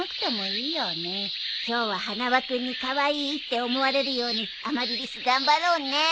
今日は花輪君にカワイイって思われるようにアマリリス頑張ろうね。